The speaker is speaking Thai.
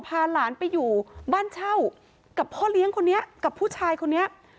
พาหลานไปอยู่บ้านเช่ากับพ่อเลี้ยงคนนี้กับผู้ชายคนนี้